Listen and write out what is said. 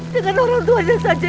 dengan orang tuanya saja